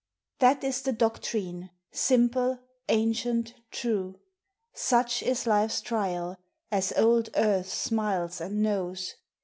Flint is the doctrine, simple, ancient, true; Such is life's trial, as old earth smiles and knows.